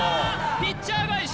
ピッチャー返し